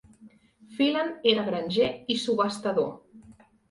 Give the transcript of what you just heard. Phelan era granger i subhastador.